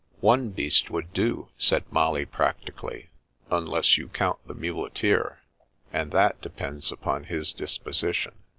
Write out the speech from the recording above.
" One beast would do," said Molly practically, "unless you count the muleteer, and that depends upon his disposition."